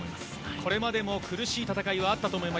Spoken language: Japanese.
これまでも苦しい戦いはあったと思います。